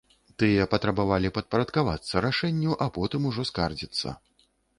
Тыя патрабавалі падпарадкавацца рашэнню, а потым ужо скардзіцца.